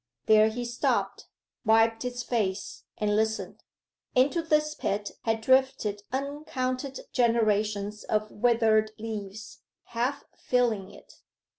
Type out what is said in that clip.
There he stopped, wiped his face, and listened. Into this pit had drifted uncounted generations of withered leaves, half filling it.